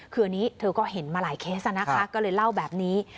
คืออันนี้เธอก็เห็นมาหลายเคสนะคะก็เลยเล่าแบบนี้